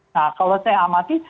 nah kalau saya amati